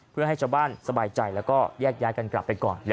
เพื่อให้ชาวบ้านสบายใจแล้วก็แยกย้ายกันกลับไปก่อน